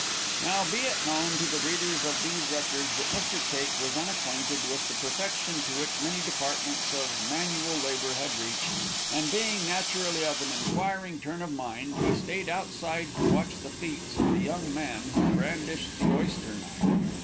Now, be it known to the readers of these records, that Mr. Cake was unacquainted with the perfection to which many departments of manual labor had reached, and being naturally of an inquiring turn of mind, he stayed outside to watch the feats of the young man who brandished the oyster knife.